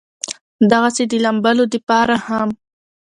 دغسې د لامبلو د پاره هم